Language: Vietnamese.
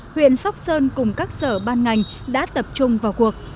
huyện sóc sơn cùng các sở ban ngành đã tập trung vào cuộc